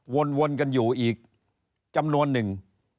วนกันอยู่อีกจำนวนหนึ่ง